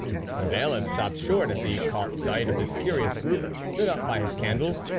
The Bailiff stopped short as he caught sight of this curious group, lit up by his candle.